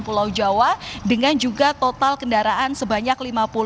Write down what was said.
pulau jawa dengan juga total kendaraan sebanyak lima puluh empat tujuh ratus tiga puluh dua